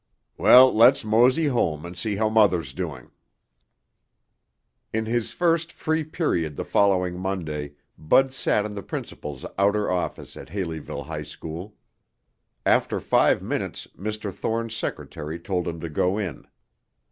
"Well, let's mosey home and see how Mother's doing." In his first free period the following Monday, Bud sat in the principal's outer office at Haleyville High School. After five minutes Mr. Thorne's secretary told him to go in.